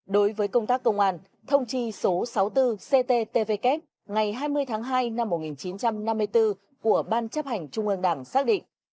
đối với công tác công an thông chi số sáu mươi bốn cttvk ngày hai mươi tháng hai năm một nghìn chín trăm năm mươi bốn của ban chấp hành trung ương đảng xác định